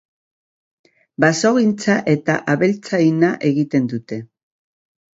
Basogintza eta abeltzaintza egiten dute.